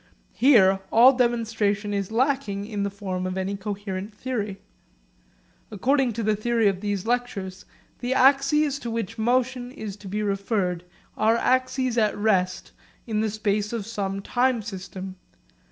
Here all demonstration is lacking in the form of any coherent theory. According to the theory of these lectures the axes to which motion is to be referred are axes at rest in the space of some time system.